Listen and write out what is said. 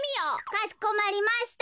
「かしこまりました。